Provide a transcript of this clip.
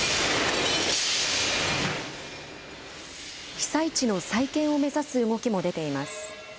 被災地の再建を目指す動きも出ています。